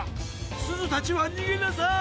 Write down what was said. すずたちはにげなさい！